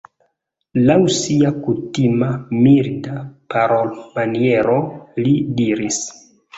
Laŭ sia kutima milda parolmaniero li diris: